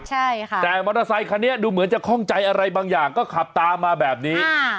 ใช่ค่ะแต่มอเตอร์ไซคันนี้ดูเหมือนจะคล่องใจอะไรบางอย่างก็ขับตามมาแบบนี้